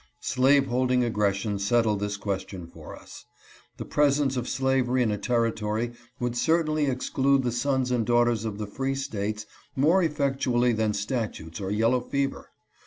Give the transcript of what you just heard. Slaveholding aggression settled this question for us. The presence of slavery in a territory would cer tainly exclude the sons and daughters of the free States more effectually than statutes or yellow fever.